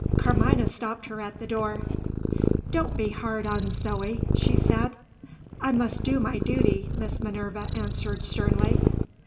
Carmina stopped her at the door. "Don't be hard on Zo!" she said. "I must do my duty," Miss Minerva answered sternly.